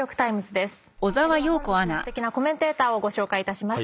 では本日のすてきなコメンテーターをご紹介いたします。